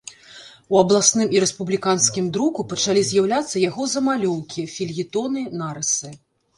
У абласным і рэспубліканскім друку пачалі з'яўляцца яго замалёўкі, фельетоны, нарысы.